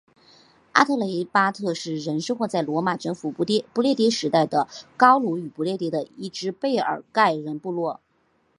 阿特雷巴特人是生活在罗马征服不列颠时代的高卢与不列颠的一只贝尔盖人部落。